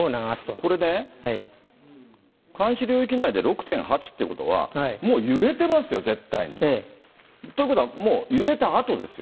これね、監視領域内で６．８ってことは、もう揺れてますよ、絶対に。ということは、もう揺れたあとですよ。